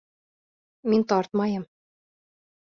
Мин тартмайым.